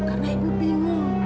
karena ibu bingung